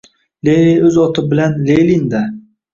— Lenin o‘z oti o‘zi bilan Lenin-da.